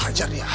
baju ada di mana